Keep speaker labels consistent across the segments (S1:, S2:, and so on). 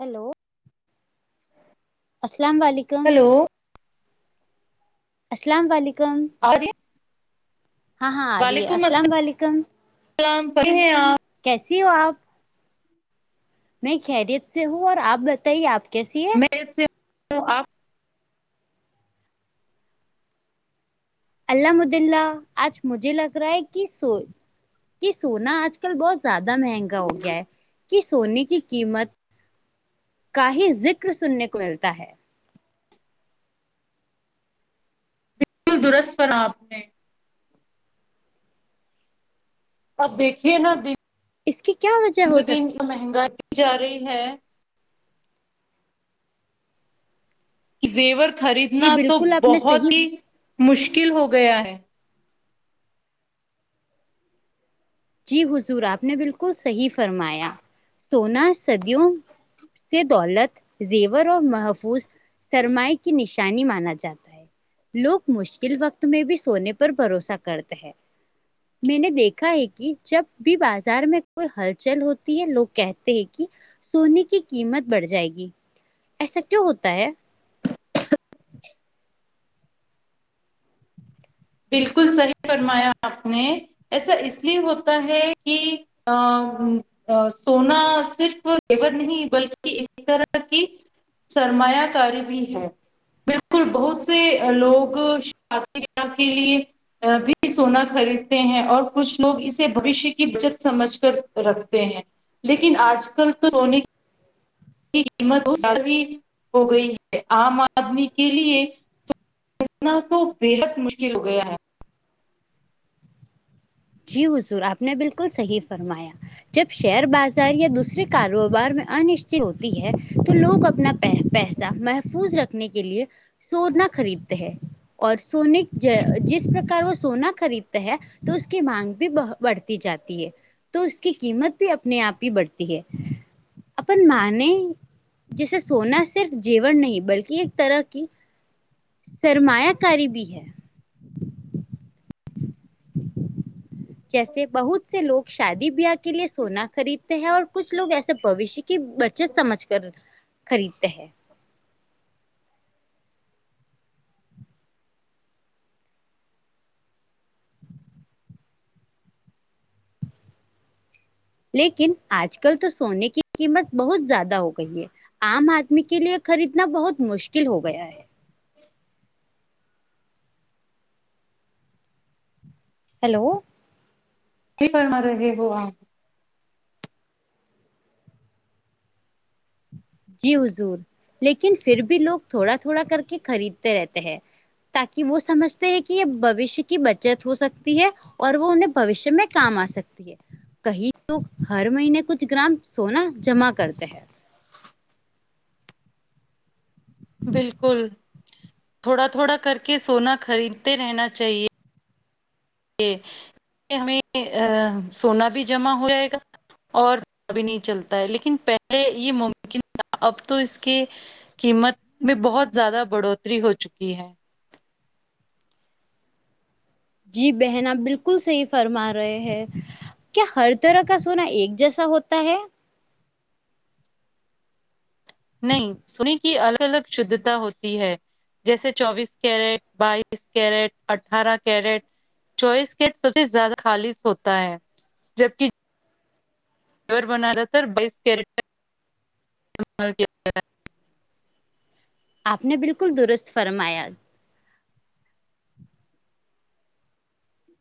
S1: hello السلام علیکم
S2: hello
S1: السلام و علیکم
S2: ارہی
S1: ہاں ہاں آرہی ہے
S2: وعلیکم
S1: السلام و علیکم
S2: [unintelligible]
S1: کیسی ہو آپ میں خیریت سے ہوں اور آپ بتائیے آپ کیسی ہیں
S2: خیریت سے آپ
S1: الحمدلللہ آج مجھے لگ رہا ہے کہ سو کہ سونا آج کل بہت زیادہ مہنگا ہو گیا ہے کہ سونے کی قیمت کا ہی ذکر سننے کو ملتا ہے
S2: بالکل درست کہا آپ نے آب دیکھیے نا
S1: اس کی کیا وجہ ہو
S2: بہ
S1: سکتی
S2: دن مہنگائی [unintelligible] جا رہی ہے زیور
S1: جی
S2: خریدنا تو
S1: بالکل آپ نے
S2: بہت
S1: صحیح
S2: ہی مشکل ہو گیا ہے
S1: جی حضور آپ نے بالکل صحیح فرمایا سونا صدیوں سے دولت زیور اور محفوظ سرمائے کی نشانی شانی مانا جاتا ہے لوگ مشکل وقت میں بھی سونے پر بھروسہ کرتے ہیں میں نے دیکھا ہے کہ جب بھی بازار میں کوئی ہلچل ہوتی ہے لوگ کہتے ہیں کہ سونے کی قیمت بڑھ جائے گی ایسا کیوں ہوتا ہے
S2: بالکل صحیح فرمایا آپ نے ایسا اس لیے ہوتا ہے کہ [inaudible] سونا صرف زیور نہیں بلکہ ایک طرح کی سرمایہ کاری بھی ہے بالکل بہت سے لوگ شادیاں کے لیے بھی سونا خریدتے ہیں اور کچھ لوگ اسے بھویشے کی بچت سمجھ کر رکھتے ہیں لیکن آج کل تو سونے کی قیمت س ہو گئی ہے عام آدمی کے لیے اتنا تو بےحد مشکل ہو گیا ہے
S1: جی حضور آپ نے بالکل صحیح فرمایا جب شیئر بازار یا دوسرے کاروبار میں انشٹی ہوتی ہے تو لوگ اپنا پیس محفوظ رکھنے کے لیے سونا خریدتے ہیں اور سونے جس پرکار وہ سونا خریدتے ہیں تو اس کی مانگ بھی بڑھتی جاتی ہے تو اس کی قیمت بھی اپنے آپ ہی بڑھتی ہے اپن مانے جیسے سونا صرف جیور نہیں بلکہ ایک طرح کی سرمایہ کاری بھی ہے جیسے بہت سے لوگ شادی بیاہ کے لیے سونا خریدتے ہیں اور کچھ لوگ ایسے بوشیہ کے کہ بچت سمجھ کر خریدتے ہیں لیکن آج کل تو سونے کی قیمت بہت زیادہ ہو گئی ہے آم آدمی کے لیے خریدنا بہت مشکل ہو گیا ہے ہیلو
S2: سہی فرما رہے ہو آپ
S1: جی حضور لیکن پھر بھی لوگ تھوڑا تھوڑا کر کے خریدتے رہتے ہیں تاکہ وہ سمجھتے ہیں کہ یہ بوشیہ کی بچت ہو سکتی ہے اور وہ انہیں بھوشیہ میں کام آ سکتی ہے کئی لوگ ہر مہینے کچھ گرام سونا جمع کرتے ہیں
S2: بالکل تھوڑا تھوڑا کر کے سونا خریدتے رہنا چاہیے ہمیں سونا بھی جمع ہو جائے گا اور بھی نہیں چلتا ہے لیکن پہلے یہ ممکن تھا اب تو اس کے قیمت میں بہت زیادہ بڑھوتری ہو چکی ہے
S1: جی بہن آپ بالکل سہی فرما رہے ہیں کیا ہر طرح کا سونا ایک جیسا ہوتا ہے
S2: نہیں سونے کی الگ الگ شدھتا ہوتی ہے جیسے چوبیس کیرٹ بائیس کیرٹ اٹھارہ کیرٹ چوائس کے سب سے زیادہ خالص ہوتا ہے جبکے بن رہا بس کیٹ
S1: آپ نے بلکل درست فرمایا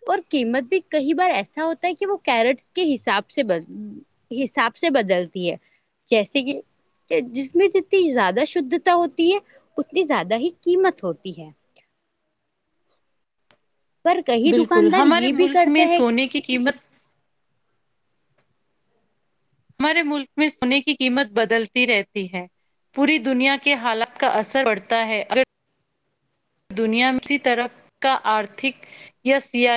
S1: اور قیمت بھی کئی بار ایسا ہوتا ہے کہ وہ کیرٹس کے حساب سے ب حساب سے بدلتی ہے جیسے کہ کہ جس میں جتنی زیادہ شدھتا ہوتی ہے اتنی زیادہ ہی قیمت ہوتی ہے پر کئی
S2: بلکل
S1: دکاندار
S2: ہمارے
S1: یہ بھی
S2: ملک
S1: کرتے
S2: میں
S1: ہیں
S2: سونے کی قیمت ہمارے ملک میں سونے کی قیمت بدلتی رہتی ہے پوری دنیا کے حالات کا اثر پڑتا ہے اگر دنیا میں کسی طرح کا آرتھک یا سیا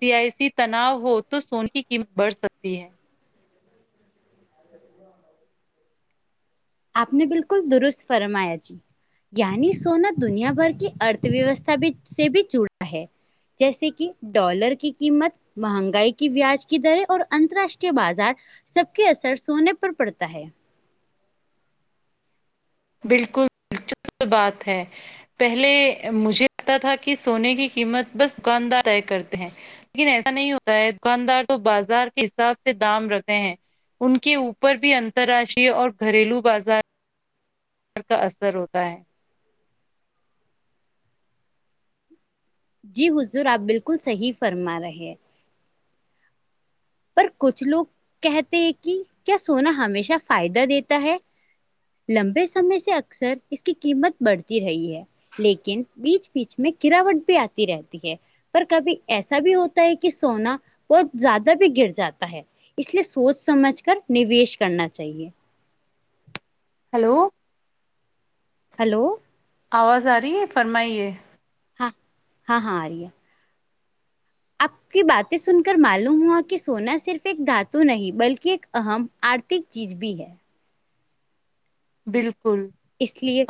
S2: سیاسی تناؤ ہو تو سنے کی قیمت بڑھ سکتی ہے
S1: ا آپ نے بالکل درست فرمایا جی یعنی سونا دنیا بھر کی ارت ویوستھا بھی سے بھی جڑتا ہے جیسے کہ ڈالر کی قیمت مہنگائی کی بیاج کی دریں اور اترراشٹری بازار سب کے اثر سونے پر پڑتا ہے
S2: بلکل دلچسپ بات ہے پہلے مجھے لگتا تھا کہ سونے کی قیمت بس دکاندار طے کرتے ہیں لیکن ایسا نہیں ہوتا ہے دکاندار تو بازار کے حساب سے دام رہتے ہیں ان کے اوپر بھی اترراشٹری اور گھریلو بازار کا اثر ہوتا ہے
S1: جی حضور آپ بالکل صحیح فرما رہے ہیں پر کچھ لوگ کہتے ہیں کہ کیا سونا ہمیشہ فائدہ دیتا ہے لمبے سمے سے اکثر اس کی قیمت بڑھتی رہی ہے لیکن بیچ بیچ میں گراوٹ بھی آتی رہتی ہے پر کبھی ایسا بھی ہوتا ہے کہ سونا بہت زیادہ بھی گر جاتا ہے اس لیے سوچ سمجھ کر نویش کرنا چاہیے
S2: ہلو
S1: ہلو
S2: آواز آ رہی ہے فرمائیے
S1: ہاں ہاں ہاں آرہی ہے آپ کی باتیں سن کر معلوم ہوا کہ سونا صرف ایک دھاتو نہیں بلکہ ایک اہم آرتھک چیز بھی ہے
S2: بالکل
S1: اس لیے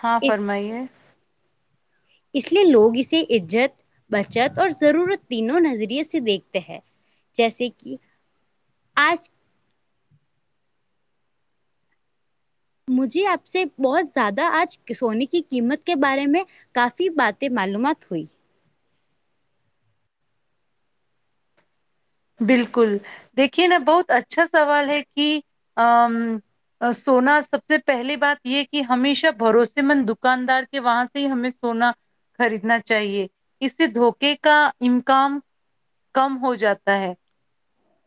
S2: ہاں
S1: اس
S2: فرمائیے
S1: اس لیے لوگ اسے عزت بچت اور ضرورت تینوں نظریے سے دیکھتے ہیں جیسے کہ آج مجھے آپ سے بہت زیادہ آج سونے کی قیمت کے بارے میں کافی باتیں معلومات ہوئی
S2: بالکل دیکھیے نا بہت اچھا سوال ہے کہ امم سونا سب سے پہلی بات یہ کہ ہمیشہ بھروسے مند دکاندار کہ وہاں سے ہی ہمیں سونا خریدنا چاہیے اس سے دھوکے کا امکان کم ہو جاتا تا ہے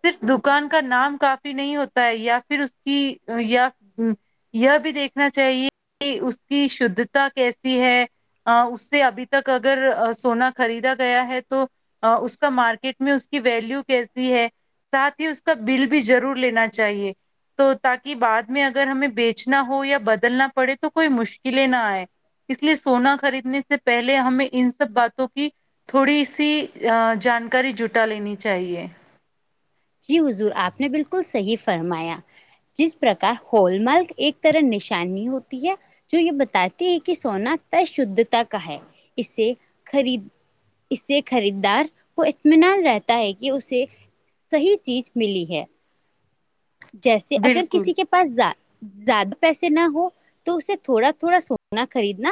S2: صرف دکان کا نام کافی نہیں ہوتا ہے یا پھر اس کی یا یہ بھی دیکھنا چاہیے کہ اس کی شدھتا کیسی ہے اس سے ابھی تک اگر سونا خریدا گیا ہے تو اس کا مارکیٹ میں اس کی ویلو کیسی ہے تا کی اس کا بل بھی ضرور لینا چاہیے تو تاکہ بعد میں اگر ہمیں بیچنا ہو یا بدلنا پڑے تو کوئی مشکلیں نہ آئے اس لیے سونا خریدنے سے پہلے ہمیں ان سب باتوں کی تھوڑی سی جانکاری جٹا لینی چاہیے
S1: جی حضور آپ نے بالکل صحیح فرمایا جس پرکار ہول مارک ایک طرح نشانی ہوتی ہے جو یہ بتاتی ہے کہ سونا کتنی شددھتا کا ہے اس سے خرید اس سے خریدار کو اطمینان رہتا ہے کہ اسے صحیح چیز ملی ہے جیسے اگر
S2: بالکل
S1: کسی کے پاس زیادہ پیسے نہ ہو تو اسے تھوڑا تھوڑا سونا خریدنا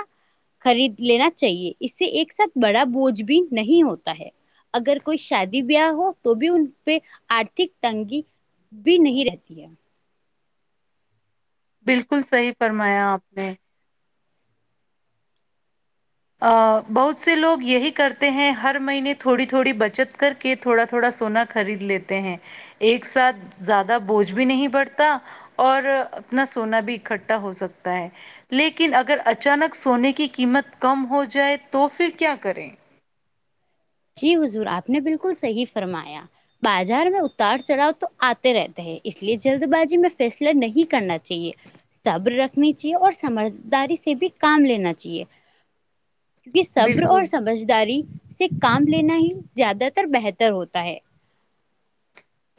S1: خرید لینا چاہیے اس سے ایک ساتھ بڑا بوجھ بھی نہیں ہوتا ہے اگر کوئی شادی بیاہ ہو تو بھی ان پہ آرتھک تنگی بھی نہیں رہ رہتی ہے
S2: بالکل صحیح فرمایا آپ نے بہت سے لوگ یہی کرتے ہیں ہر مہینے تھوڑی تھوڑی بچت کر کہ تھوڑا تھوڑا سونا خرید لیتے ہیں ایک ساتھ زیادہ بوجھ بھی نہیں پڑتا اور اپنا سونا بھی اکٹھا ہو سکتا ہے لیکن اگر اچانک سونے کی قیمت کم ہو جائے تو پھر کیا کریں
S1: جی حضور آپ نے بالکل صحیح فرمایا بازار میں اتار چڑھاؤ تو آتے رہتے ہیں اس لیے جلد بازی میں فیصلہ نہیں کرنا چاہیے صبر رکھنی چاہیے اور سمجھداری سے بھی کام لینا چاہیے کیونکہ صبر اور
S2: بالکل
S1: سمجھداری سے کام لینا ہی زیادہ تر بہتر ہوتا ہے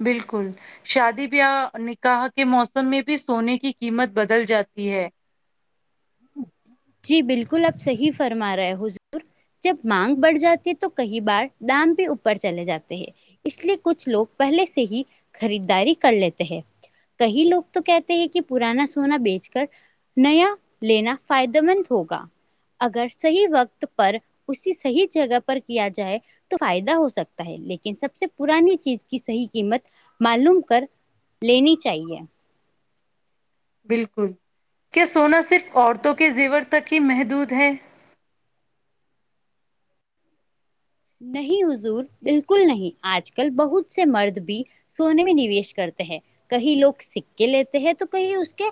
S2: بالکل شادی بیاہ نکاح کے موسم میں بھی سونے کی قیمت بدل جاتی ہے
S1: جی بالکل اپ صحیح فرما رہے حضور جب مانگ بڑھ جاتی ہے تو کہی بار دام بھی اوپر چلے جاتے ہیں اس لیے کچھ لوگ پہلے سے ہی خریداری کر لیتے ہیں کہی لوگ تو کہتے ہے کی پرانا سونا بیچ کرنایا لینا مند ہوگا اگر صحیح وقت پر اسی صحیح جگہ پر کیا جائے تو تو فائدہ ہو سکتا ہے لیکن سب سے پرانی چیز کی صحیح قیمت معلوم کر لینی چاہیے
S2: بالکل کیا سونا صرف عورتوں کے زیور تک ہی محدود ہے
S1: نہیں حضور بالکل نہیں آج کل بہت سے مرد بھی سونے میں نویش کرتے ہیں کہئی لوگ سککے لیتے ہیں تو کہئی اس کے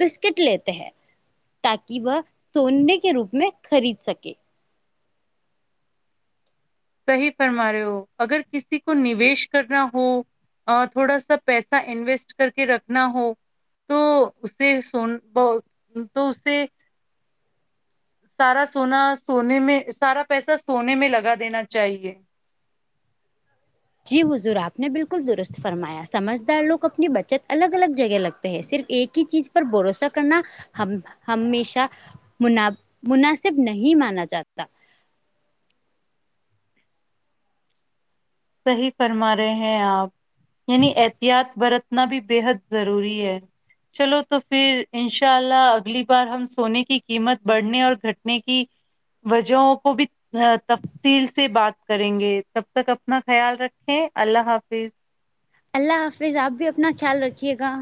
S1: بسکٹ لیتے ہیں تاکہ وہ سونے کے روپ میں خرید سکے
S2: صحیح فرما رہے ہو اگر کسی کو نویش کرنا ہو اور تھوڑا سا پیسا انویسٹ کرکے رکھنا ہو تو اسے سون ب تو اس سے سارا سونا سونے میں سارا پیسہ سونے میں لگا دینا چاہیے
S1: جی حضور آپ نے بالکل درست فرمایا سمجھ دار لوگ اپنی بچت الگ الگ جگہ لگتے صرف ایک ہی چیز پر بھروسہ کرنا ہم ہمیشہ مناب مناسب نہیں مانا جاتا
S2: صحیح فرما رہے ہیں آپ یعنی احتیاط برت نا بھی بے حد ضروری ہے چلو تو پھر انشاء اللہ اگلی بار ہم سونے کی قیمت بڑھنے اور گھٹنے کی وجہوں کو بھی تفصیل سے بات کریں گے تب تک اپنا خیال رکھیں اللہ حافظ
S1: اللہ حافظ آپ بھی اپنا خیال رکھیے گا